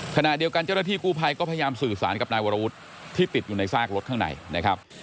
ขณะเดียวกันเจ้าหน้าที่กู้ภัยก็พยายามสื่อสารกับนายวรวุฒิที่ติดอยู่ในซากรถข้างในนะครับ